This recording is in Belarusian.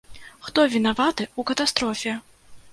Хто вінаваты ў катастрофе?